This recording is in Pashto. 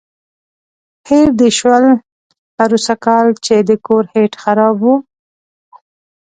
هېر دې شول پروسږ کال چې د کور هیټ خراب و.